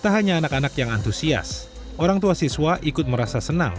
tak hanya anak anak yang antusias orang tua siswa ikut merasa senang